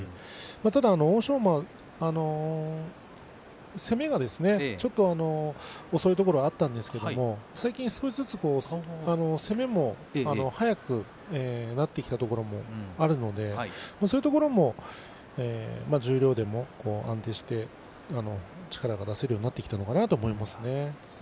ただ、欧勝馬は攻めがちょっと遅いところがあったんですけど最近、少しずつ攻めも速くなってきたところもあるのでそういうところも十両でも安定して力が出せるようになってきたのかなと思いますね。